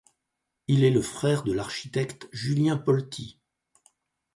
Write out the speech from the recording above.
Il est le frère de l'architecte Julien Polti.